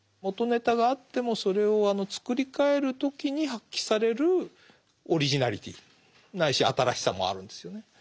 元ネタがあってもそれを作り替える時に発揮されるオリジナリティーないし新しさもあるんですよね。